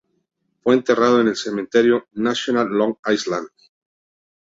Fue enterrado en el Cementerio Nacional Long Island.